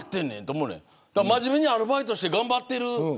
真面目にアルバイトをして頑張ってる。